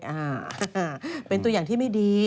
อ่าเป็นตัวอย่างที่ไม่ดี